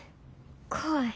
怖い。